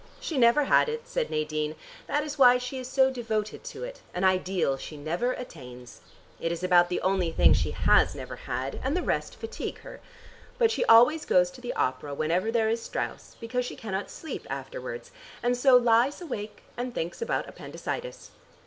"She never had it," said Nadine. "That is why she is so devoted to it, an ideal she never attains. It is about the only thing she has never had, and the rest fatigue her. But she always goes to the opera whenever there is Strauss, because she cannot sleep afterwards, and so lies awake and thinks about appendicitis.